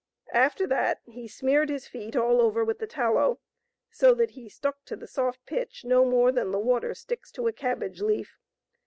After that he smeared his feet all over with the tallow, so that he stuck to the soft pitch no more than water sticks to a cabbage leaf.